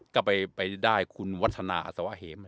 ก็ไปได้คุณวัฒนาอัศวะเหม